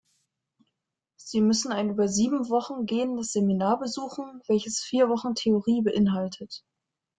Sie müssen ein über sieben Wochen gehendes Seminar besuchen, welches vier Wochen Theorie beinhaltet.